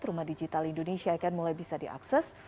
rumah digital indonesia akan mulai bisa diakses